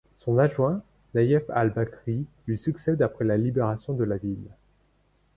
Son adjoint, Nayef al-Bakri, lui succède après la libération de la ville.